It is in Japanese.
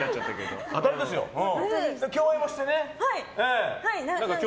共演もしてね。